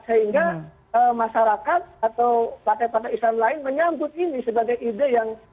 sehingga masyarakat atau partai partai islam lain menyambut ini sebagai ide yang